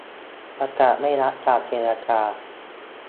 ประกาศไม่รับการเจรจา